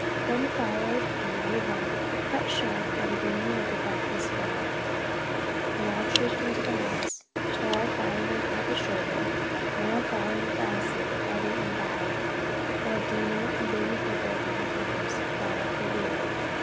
Then followed a merry romp, cut short by the ringing of the breakfast bell, when all trooped into the house, Harold riding on papa's shoulder, mamma following with Elsie, Eddie and Vi; while Dinah, with Baby Herbert in her arms; brought up the rear.